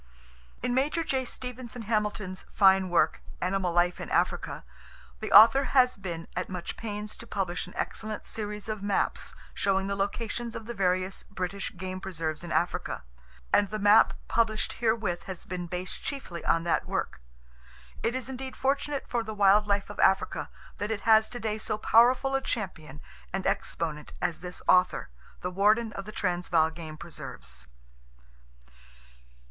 In Major J. Stevenson Hamilton's fine work, "Animal Life in Africa," [O] the author has been at much pains to publish an excellent series of maps showing the locations of the various British game preserves in Africa, and the map published herewith has been based chiefly on that work. It is indeed fortunate for the wild life of Africa that it has today so powerful a champion and exponent as this author, the warden of the Transvaal Game Preserves.